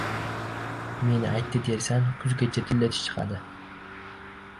Meni aytdi dersan, kuzgacha tilla tish chiqadi.